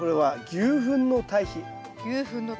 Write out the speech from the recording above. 牛ふんの堆肥。